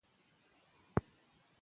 هغه باید د انګریزانو ټول شرایط منلي وای.